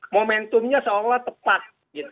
momentumnya seolah olah tepat